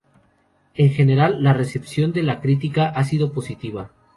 En general, la recepción de la crítica ha sido positiva.